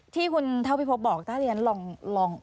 ที่คุณเท้าพิภพบอกถ้าอย่างนั้นลอง